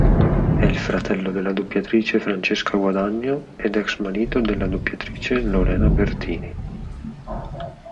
È il fratello della doppiatrice Francesca Guadagno ed ex marito della doppiatrice Lorena Bertini.